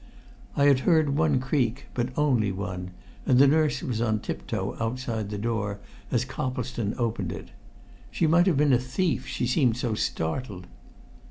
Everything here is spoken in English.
I had heard one creak, but only one, and the nurse was on tip toe outside the door as Coplestone opened it. She might have been a thief, she seemed so startled.